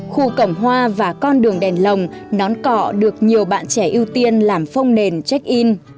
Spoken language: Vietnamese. khu cổng hoa và con đường đèn lồng nón cọ được nhiều bạn trẻ ưu tiên làm phong nền check in